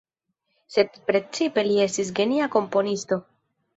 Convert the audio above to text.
Sed precipe li estis genia komponisto.